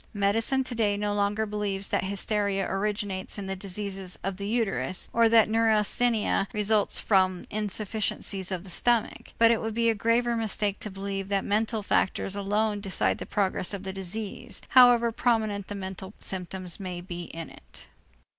Medicine today no longer believes that hysteria originates in the diseases of the uterus or that neurasthenia necessarily results from insufficiencies of the stomach, but it would be a graver mistake to believe that mental factors alone decide the progress of the disease, however prominent the mental symptoms may be in it.